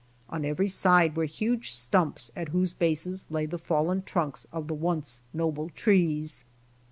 On every side were huge stumps at whose bases lay the fallen trunks of the once noble trees.